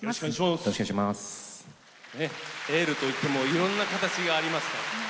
エールといってもいろんな形がありますから。